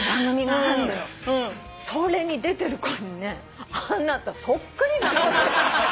「それに出てる子にねあなたそっくりなの」